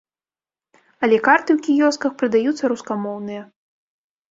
Але карты ў кіёсках прадаюцца рускамоўныя.